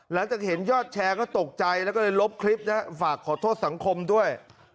หลังจากเห็นยอดแชร์ก็ตกใจแล้วก็เลยลบคลิปนะฝากขอโทษสังคมด้วย